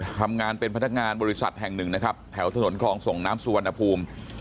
ทำงานเป็นพนักงานบริษัทแห่งหนึ่งนะครับแถวถนนคลองส่งน้ำสุวรรณภูมิ